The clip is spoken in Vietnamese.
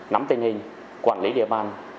nắm tình hình quản lý địa phương